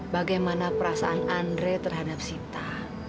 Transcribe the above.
bagaimana perasaan andre terhadap sita